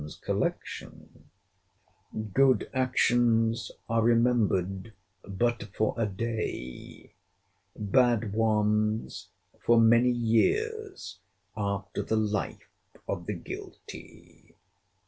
's collection,]—Good actions are remembered but for a day: bad ones for many years after the life of the guilty.